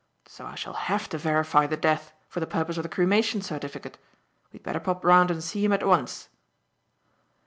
So I shall have to verify the death for the purpose of the cremation certificate. We'd better pop round and see him at once."